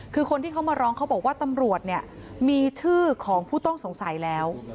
คือคนที่เขามาร้องเขาบอกว่าตำรวจเนี่ยมีชื่อของผู้ต้องสงสัยแล้ว